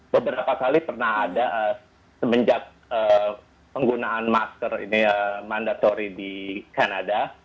beberapa kali pernah ada semenjak penggunaan masker ini mandatory di kanada